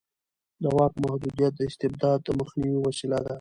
د واک محدودیت د استبداد د مخنیوي وسیله ده